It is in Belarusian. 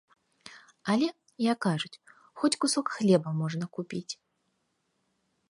Але, як кажуць, хоць кусок хлеба можна купіць.